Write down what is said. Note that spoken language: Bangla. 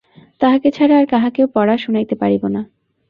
তাঁহাকে ছাড়া আর কাহাকেও পড়া শুনাইতে পারিব না।